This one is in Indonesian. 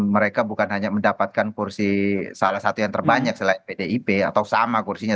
mereka bukan hanya mendapatkan kursi salah satu yang terbanyak selain pdip atau sama kursinya